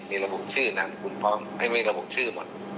มีระบุชื่อนะคุณพร้อมให้มีระบุชื่อหมด